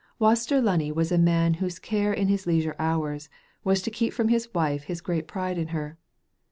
Waster Lunny was a man whose care in his leisure hours was to keep from his wife his great pride in her.